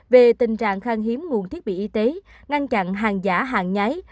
về tình trạng khang hiếm nguồn thiết bị y tế ngăn chặn hàng giả hàng nhái